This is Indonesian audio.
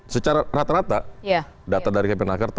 secara rata rata data dari kpn laker